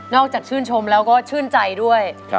จากชื่นชมแล้วก็ชื่นใจด้วย